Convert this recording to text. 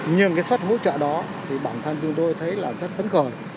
nhưng cái suất hỗ trợ đó thì bản thân chúng tôi thấy là rất phấn khởi